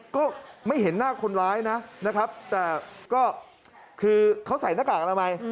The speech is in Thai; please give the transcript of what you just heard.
ก็ไม่เห็นหน้าคนร้ายนะนะครับแต่ก็คือเขาใส่หน้ากากอนามัย